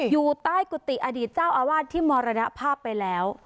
อยู่ใต้กุฏิอดีตเจ้าอาวาสที่มรณภาพไปแล้ว